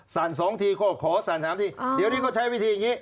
สั่นสองทีขอขอสั่นสามทีเดี๋ยวนี้ก็ใช้วิธีอย่างงี้